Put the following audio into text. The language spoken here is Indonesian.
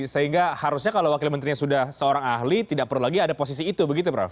sehingga harusnya kalau wakil menterinya sudah seorang ahli tidak perlu lagi ada posisi itu begitu prof